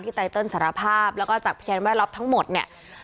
ไตเติลสารภาพแล้วก็จากพยานแวดล้อมทั้งหมดเนี่ย